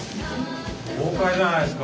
豪快じゃないですか。